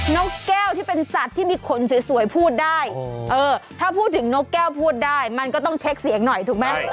นกแก้วที่เป็นสัตว์ที่มีขนสวยพูดได้ถ้าพูดถึงนกแก้วพูดได้มันก็ต้องเช็คเสียงหน่อยถูกไหม